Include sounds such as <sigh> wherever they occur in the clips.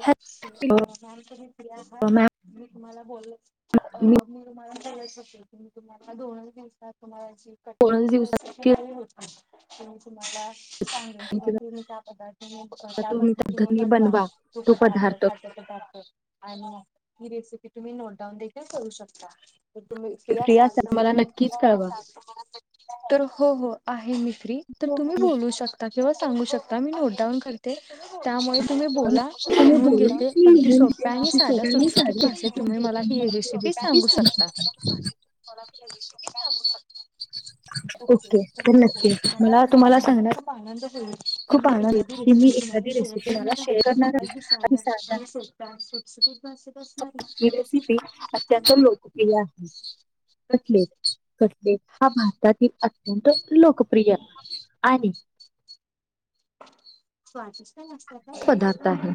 Ma'am तुम्ही free आहात मी तुम्हाला बोलल अ मी तुम्हाला शकेलमी तुम्हाला दोनच दिसतात तुम्हाला कढण्या र हवी होती तुम्हाला सांगेल किंवा तुम्ही त्या पध्दतीने त्या पद्धतीने बनवा तो पदार्थ खाद्य पदार्थ आणि मग ही रेसिपी तुम्ही नोट डाऊन देखील करू शकता. तुम्ही फ्री असाल तर मला नक्कीच कळवा तर हो हो आहे मी फ्री तर तुम्ही बोलू शकता किंवा सांगू शकता मी नोटडाऊन करते <unintelligible> त्यामुळे तुम्ही बोला मी लिहून घेते अगदी सोप्या आणि साध्या सुटसुटीत भाषेत तुम्ही मला ही रेसिपी सांगू शकता. ग <inaudible> <unintelligible> नक्की मला तुम्हाला सांगयच खुप आनंद होईल की मी एखादी व्यक्ती एखादी रेसिपी मला शेअर करणार अगदी सग आणि सत सुप <inaudible> णारस अस त्यांचा लोकप्रिय आहे <inaudible> कसले कसले हा भारतातील अत्यंत लोकप्रिय <inaudible> आय हं स्वादिष्ट नसतात का त्या आहे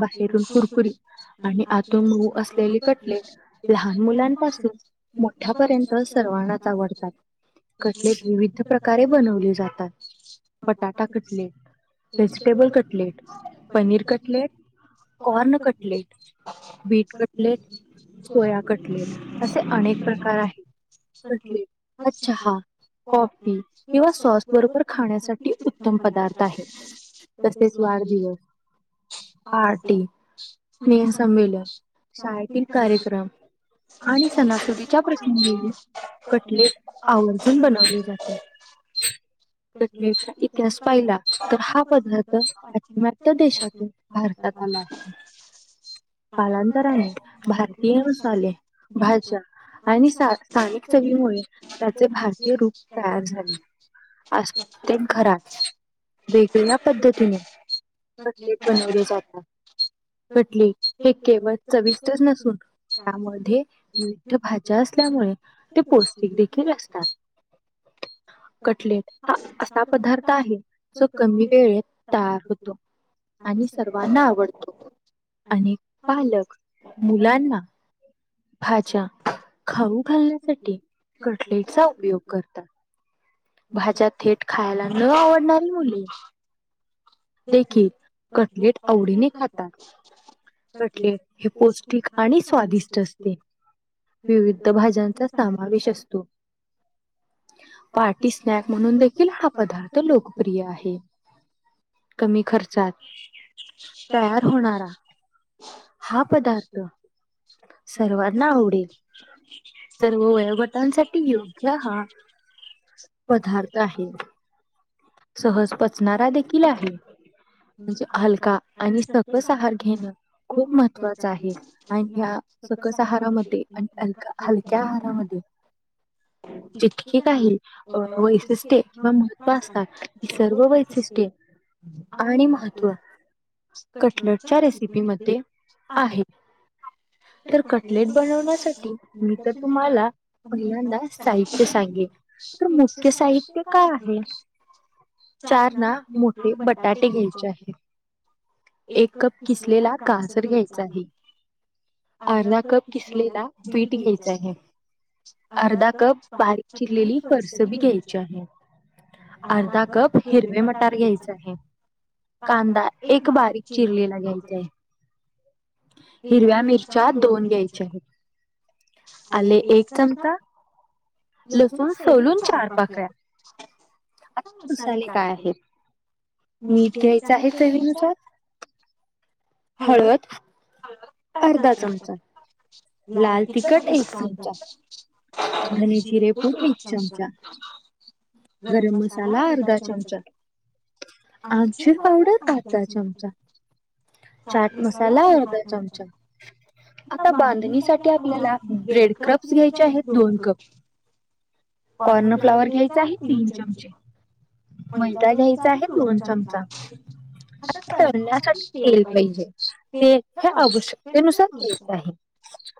बाहेरून कुरकुरीत आणि आतून मऊ असलेली कटलेट लहान मुलांपासून मोठ्या पर्यंत सर्वांनाच आवडतात. चकलेट विविधी प्रकारे बनवली जातट vegetable cutlet paneer cutlet corn cutlet wheat cutlet soya cutlet असे अ प्र आहे अच्छा हा ॉ किंवा सॉस बरोबर खाण्यासाठी िफरंट पदार्थ आहे तसेच वाढदिवस ह स्ने सग आणि त त्या पाखां कलेच आवर्जन बनवले जाते इतिहास पाहिला तर हा पा भारतात आ कालांतराने भारतीय मसाले भाज्या आणि भाजयार झाली असत घरात व्या पद्धतीनेकलेट बनवले जातात तकली टव करश त्यामध्ये मठ भाज्या असल्यामुळे ते पौष्टिक देखील असतात <unintelligible> अ असा पदार्थ आहे जो कमी वेळेत तयार होतो आणि सगळ्यां आणि पाल मुलांना भाज्या खाऊ घालण्यासाठी कटलेटचा उपयोग करतात हज खा ली कत आवडीही खात पटले हे पौष्टिक आणि स्वादिष्ट असते विविध भाज्यांचा समावेश असतो पाठ ी स्नॅक म्हणून देखील हा पदार्थ लोकप्रिय आहे कमी खर्चात तयार होणारा हा पदार्थ ह ना तर हो एग ट सकी ल जा ह पदार्थ आहे सहज पचणारा देखील आहे म्हणजे हलका आणि सकच आहार घेणं खूप महत्त्वाच आहे आणि ह सकस आहारामध्ये आणि हलका हलक्या आहारामध्ये जितकीे काही अ वैशिष्ट्ये किंवा महत्त्व असतात सर्व वैशिष्ट्ये आणि म्हात कटलच्या रेसिपी म आहे तर कुठ दोनी त्याची माळा एक्सरसाइज काय आहे चार ना ते बटाटे घ्यायचे आहेत एक कप किसलेला गासर घ्यायचा आहे अर्धा कप किसलेला वीट घ्यायच आहे अर्धा कप बारीक चिरलेली परसबी घ्यायची आहे अर्धा कप हिरवे मटार घ्यायच आहे कांदा एक बारीक चिरलेला घ्यायचंय हिरव्या मिरच्या दोन घ्यायच्या आहेत आले एक चमचा लसूण सोडून चार पाकल्या ले काय आहे मीठ घ्यायचं आहे चवीनुसार हळद करध लाल त एक च आणि खूप एक चमचा गरम मसाला अर्धा चमचा आमचीूर पावडर अर्धा चमचा चाट मसाला अर्धा चमचा आता बध सा आपल्याला ब्रेड क्रप घ्याय आहेत दोन कप कॉर्न फ्लाॉवर घ्यायचा आहे तीन चमचे मैता घयचा आणि तंच्याांचा आता करण्यासाठी तेल पाहिजे ते हे आवश्यकतेनुसार केयच आहे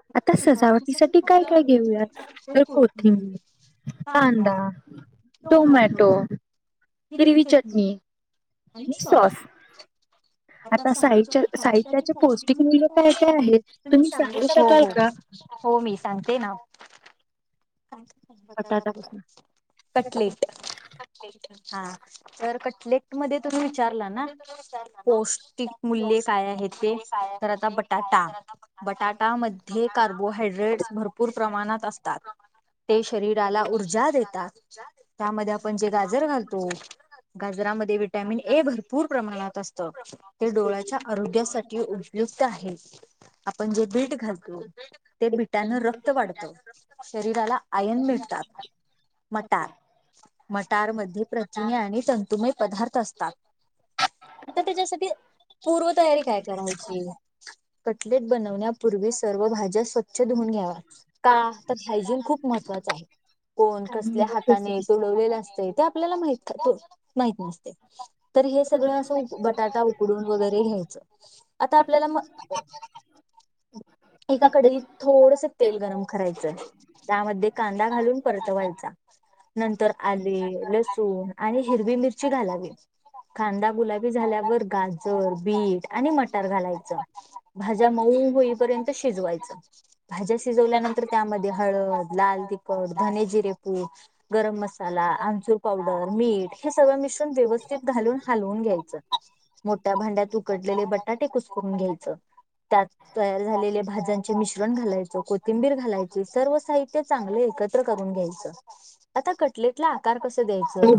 सजाव कांदा टोमॅटो कि्रीवी चटणी आणिस आता पौष्टिक मल्य आहे तुम्ही सांग हो हो मी सांगते ना ह कटलेट हा तर कटलेक् मध्ये तुम्ही विचारला ना पस् मूल्य काय आहेत ते तर आता बटाटा बटाटा म बोड्रेट भरपूर प्रमाणात असतात ते शरीराला र्जा देतात त्यामध्ये आपण जे गाजर घालतो गाजरामध्ये विटॅमिन ए भरपूर प्रमाणात असत ते डोळ्याच्या आरोग्यासाठी उपयुक्त आहे आपण जे बीट घालतो ते बीटान रक्त वाढतो शरीराला आयन मिळत <inaudible> मटार मटार मध्ये प्रचिम आणि तंतुमय पदार्थ असतात तर ते जसं की पूर्वतयारी काय करायची कटलेट बनवण्यापूर्वी सर्व भाज्या स्व स्च्छ धुऊून घ्यावा का तर हायजिन खूप महत्त्वाचं आहे कोण कसल्या हाताने तोडवलेलं असत ते आपल्याला माह माहित नसते तर हे सगळं असं बटाटा उडून वगैरे घ्यायचं आता आपल्याला म ह एका कडीत थोडस तेल गरम करायचंय त्यामध्ये कांदा घालून परतवायचा नंतर आले लसूण आणि हिरवी मिरच घालावी खांदा गुलाबी झाल्यावर गाजर बीट आणि मटर घालायचं भाज्या मऊ होईपर्यंत शिजवायचं भाज्या शिजवल्यानंतर त्यामध्ये हळद लाल ड धने जिरेपू गरम मसाला आमूर पावडर मीठ हे सगळ मिश्रण व्यवस्थित घालून हलवून घ्यायचं मोठ्या भांड्यात उकडलेले बटाटे कुसकरून घ्यायचं त्यात तयार झालेले भाज्यांचे मिश्रण घालायच कोथिंीर घालायची सर्व साहित्य चांगलं एकत्र करून घ्यायचं आता कटलेटला आकार कस द्यायचं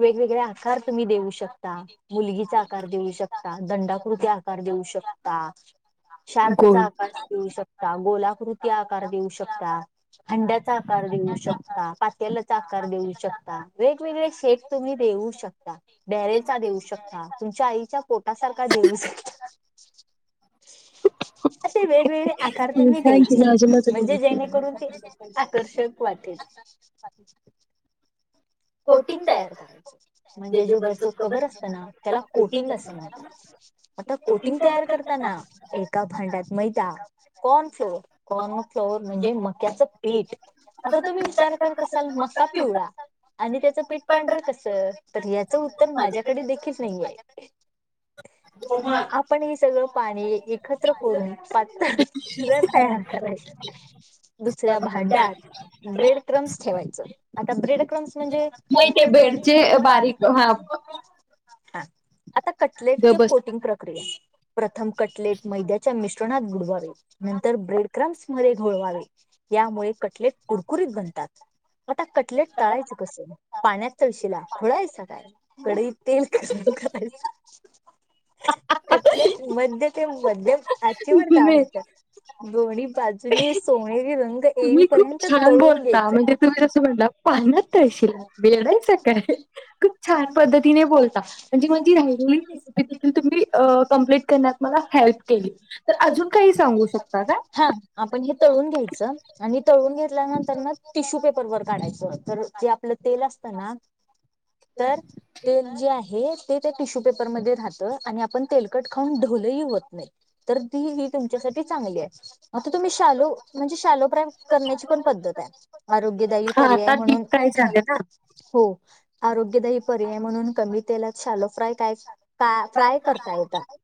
वेगवेगळे आकार तुम्ही देऊ शकता मुलगीचा आकार देऊ शकता दंडाकृती आकार देऊ शकता शार्कचा आकार देऊ शकता गोला ृती आकार देऊ शकता खंड्याचा आकार देऊ शकता पात्याला साकार देऊ शकता वेगवेगळे शेप तुम्ही देऊ शकता बॅरेलचा देऊ शकता. तुमच्या आईच्या पोटासारखा देऊ शकता. <inaudible> <inaudible> असे वेगवेगळे आकार त्यांनी द्यायचे. म्हणजे जेणेकरून ते आकर्षक वाटेल. <inaudible> कोटिंग तयार करायच. म्हणजे जे वरचं कव्हर असतं ना त्याला कोटिंग असं म्हणत आता कोटिंग तयार करताना, एका भांड्यात मैदा फ्लोर कॉर्नफ्लोअर म्हणजे मक्याचं पीठ. आता तुम्ही विचार करत असाल. मका पिवळा आणि त्याचं पीठ पांढर कस. तर याचं उत्तर माझ्याकडे देखील नाहीये. <inaudible> आपण हे सगळं पाणी एकत्र करून पातळ तयार करायच. दुसऱ्या भांड्यात ब्रेड क्रम्स ठेवायच. आता ब्रेड क्रम्स म्हणजे माहिती आहे ब्रेडचे बारीक हा आता कटलेटच्या कोटिंग प्रक्रिया प्रथम कटलेट मैद्याच्या मिश णात बुडवावे. नंतर ब्रेड क्रम्स मध्ये घोळवावे. यामुळे कटले कुरकुरीत बन त्यात आता कटलेट ताळायचं कसं. पाण्यात तळशीला खुळा हायसा काय. कढईत तेल गरम करायच. कटलेट मध्य ते मध्यम आचेवर तळायचं. दोन्ही बाजूनी सोनेरी रंग येईपर्यंत तळून घ्यायच. तळशील वेडा आहेसा काय. खूप छान पद्धतीने बोलता. म्हणजे माझी राहिलेली तुम्ही कम्प्लीट करण्यात मला हेल्प केली. तर अजून काही सांगू शकता काय? आपण हे तळून घ्यायचं. आणि तळून घेतल्यानंतर ना टिश्यू पेपरवर काढायचं. तर जे आपलं तेल असत ना, तर तेल जे आहे ते ते टिश्यू पेपर मध्ये राहत. आणि आपण तेलकट खाऊन ढोलेही होत नाही. तर ती ही तुमच्यासाठी चांगली आहे. आता तुम्ही शालो म्हणजे शॅलोफ्राय करण्याची पण पद्धत आहे. आरोग्यदायी पर्याय म्हणून. हो आरोग्यदायी पर्याय म्हणून कमी तेलात शालो फ्राय काय का फ्राय करता येतात.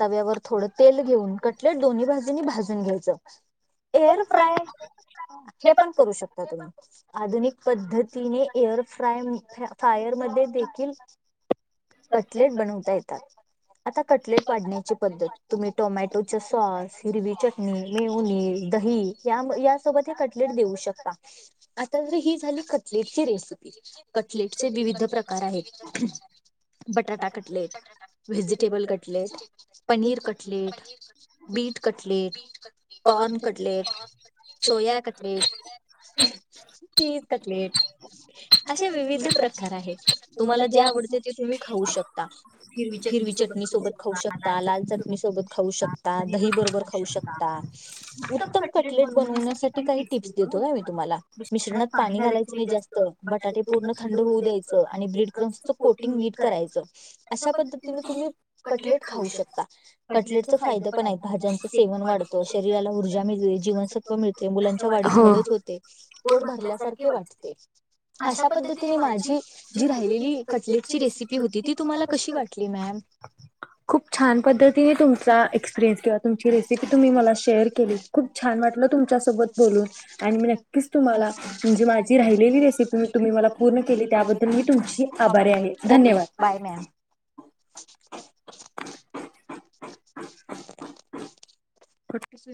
तव्यावर थोडं तेल घेऊन, कटलेट दोन्ही बाजूंनी भाजून घ्यायचं. एअर फ्राय हे पण करू शकता तुम्ही. आधुनिक पद्धतीने एअर फ्राय फ्रायर मध्ये देखील कटलेट बनवता येतात. आता कटलेट वाढण्याची पद्धत तुम्ही टोमॅटोचे सॉस, हिरवी चटणी मेहुनीज दही या यासोबत हे कटलेट देऊ शकता. आता ही कटलेटची रेसिपी. कटलेटचे विविध प्रकार आहेत. बटाटा cutlet, vegetable cutlet, paneer cutlet beet cutlet, corn cutlet, soya cutlet cheese cutlet. असे विविध प्रकार आहेत. तुम्हाला जे आवडते ते तुम्ही खाऊ शकता. हिरवी चटणी सोबत खाऊ शकता. लाल चटणी सोबत खाऊ शकता. दही बरोबर खाऊ शकता. उत्तम कटलेट बनवण्यासाठी काही टिप्स देतो मी तुम्हाला. मिश्रणात पाणी घालायचं नाही जास्त. बटाटे पूर्ण थंड होऊ द्यायच. आणि ब्रेड क्रमच कोटिंग नीट करायच. अशा पद्धतीने तु कटलेट खाऊ शकता. कटलेटचा फायदाे पण आहे. भाज्यांचं सेवन वाढतो. शरीला उर्जा जीवनसत्व मिळते. मुलांच्या वाढीस मदत होते. पोट भरल्यासारखे वाटते. अशा पद्धतीने माझी जी राहिलेली कटलेटची रेसिपी होती, ती तुम्हाला कशी वाटली मॅम. खूप छान पद्धतीने तुमचा एक्सपिरियन्स किंवा तुमची रेसिपी तुम्ही मला शेअर केली. खूप छान वाटलं तुमच्यासोबत बोलून. आणि मी नक्कीच तुम्हाला म्हणजे माझी राहिलेली रेसिपी तुम्ही मला पूर्ण केली त्याबद्दल मी तुमची आभारी आहे. धन्यवाद. <inaudible> <inaudible>